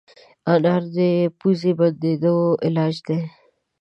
انار د پوزې بندېدو علاج دی.